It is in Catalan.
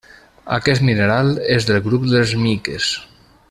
Aquest mineral és del grup de les miques.